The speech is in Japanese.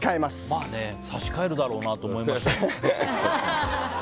まあね、差し替えるだろうなと思いました。